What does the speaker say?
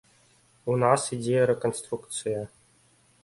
У нас ідзе рэканструкцыя.